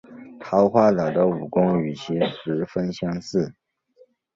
桃花岛的武功与其十分相似。